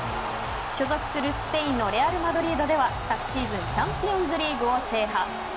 所属するスペインのレアル・マドリードでは昨シーズンチャンピオンズリーグを制覇。